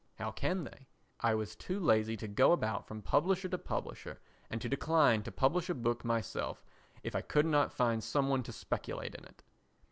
How can they? I was too lazy to go about from publisher to publisher and to decline to publish a book myself if I could not find some one to speculate in it.